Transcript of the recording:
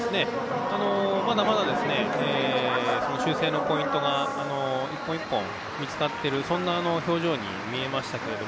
まだまだ修正のポイントが１本１本見つかっているそんな表情に見えましたが。